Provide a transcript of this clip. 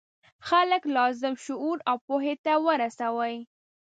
خلک لازم شعور او پوهې ته ورسوي.